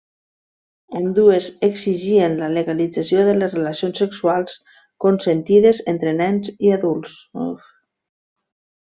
Ambdues exigien la legalització de les relacions sexuals consentides entre nens i adults.